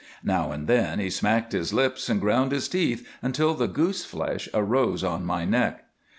Now and then he smacked his lips and ground his teeth until the gooseflesh arose on my neck.